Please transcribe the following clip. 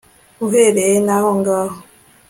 uhere n'ahongaho